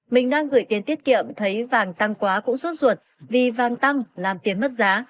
mình đang gửi tiền tiết kiệm thấy vàng tăng quá cũng sốt ruột vì vàng tăng làm tiền mất giá